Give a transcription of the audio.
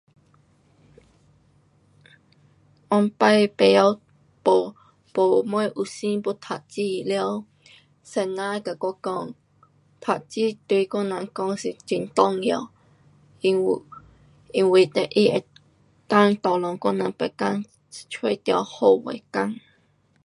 以前不会，没，没什么有心要读书，了先生跟我说，读书对我人说是很重要。因为，因为得它能够 tolong 我们别天找到好的工。